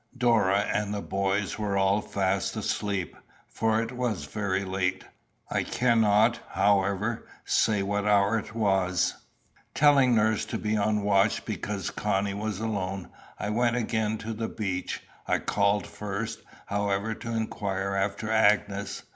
Dora and the boys were all fast asleep, for it was very late. I cannot, however, say what hour it was. Telling nurse to be on the watch because Connie was alone, I went again to the beach. I called first, however, to inquire after Agnes.